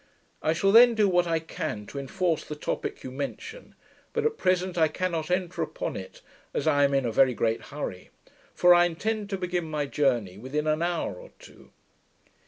I shall then do what I can, to enforce the topick you mentioned; but at present I cannot enter upon it, as I am in a very great hurry; for I intend to begin my journey within an hour or two.